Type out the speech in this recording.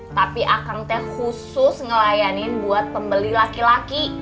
tapi akang teh khusus ngelayanin buat pembeli laki laki